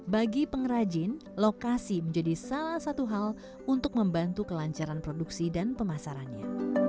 bagi pengrajin lokasi menjadi salah satu hal untuk membantu kelancaran produksi dan pemasarannya